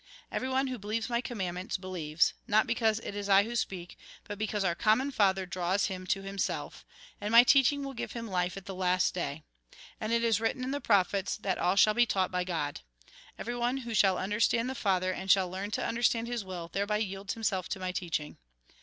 Everyone who believes my conimandments, believes, not because it is I who speak, but because our common Father draws him to Himself ; and my teaching will give him life at the last day. And it is written in the prophets, that all shall be taught by God. Everyone who shall understand the Father, and shall learn to understand His will, thereby yields himself to my teaching.